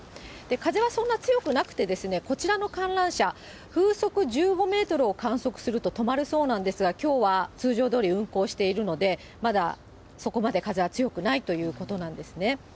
風はそんな強くなくて、こちらの観覧車、風速１５メートルを観測すると止まるそうなんですが、きょうは通常どおり運行しているので、まだそこまで風は強くないということなんですね。